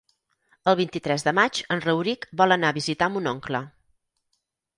El vint-i-tres de maig en Rauric vol anar a visitar mon oncle.